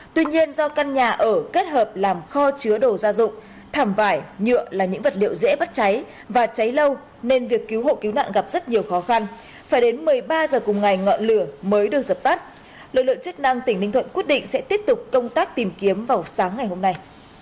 tuy nhiên do căn nhà ở kết hợp làm kho chứa đồ gia dụng thảm vải nhựa là những vật liệu dễ bắt cháy và cháy lâu nên việc cứu hộ cứu nạn gặp rất nhiều khó khăn phải đến một mươi ba h cùng ngày ngọn lửa mới được dập tắt lực lượng chức năng tỉnh ninh thuận quyết định sẽ tiếp tục công tác tìm kiếm vào sáng ngày hôm nay